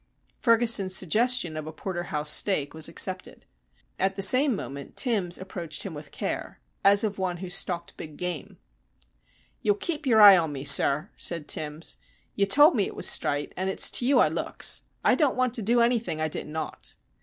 Ferguson's suggestion of a porter house steak was accepted. At the same moment Timbs approached him with care, as of one who stalked big game. "You'll keep your eye on me, sir," said Timbs. "You told me it was strite, and it's to you I looks. I don't want to do anything I didn't ought."